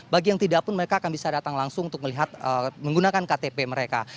bagi yang tidak pun mereka akan bisa datang langsung untuk melihat menggunakan ktp mereka